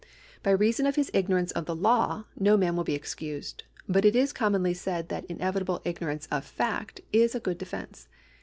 By reason of his ignorance of the law no man will be excused, but it is commonly said that inevitable ignorance of fact is a good defence.